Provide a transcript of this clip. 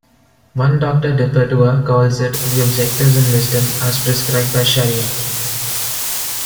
One Doctor Dipertua calls it "the objectives and wisdom" as "prescribed by Shariah".